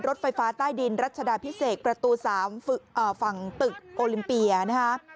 รถไฟฟ้าใต้ดินรัชดาพิเศษประตู๓ฝั่งตึกโอลิมเปียนะคะ